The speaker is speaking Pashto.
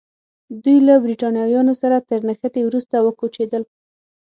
دوی له برېټانویانو سره تر نښتې وروسته وکوچېدل.